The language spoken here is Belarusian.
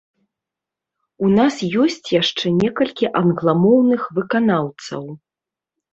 У нас ёсць яшчэ некалькі англамоўных выканаўцаў.